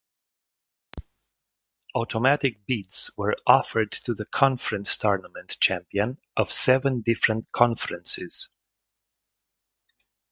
Automatic bids were offered to the conference tournament champion of seven different conferences.